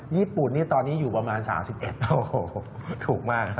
ญี่ปุ่นนี่ตอนนี้อยู่ประมาณ๓๑โอ้โหถูกมาก